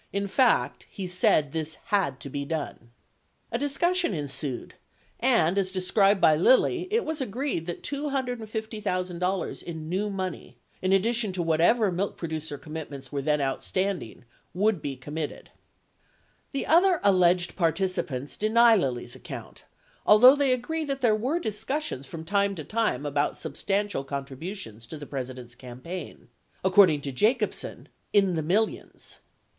In fact, he said this had to be done." 35 A discussion ensued and, as described by Lilly, it was agreed that $250,000 in "new money" — in addition to whatever milk producer com mitments were then outstanding — would be committed. 36 The other alleged participants deny Lilly's account, although they agree that there were discussions from time to time about substantial contributions to the President's campaign — according to Jacobsen, "in the millions."